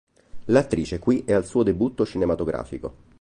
L'attrice qui è al suo debutto cinematografico.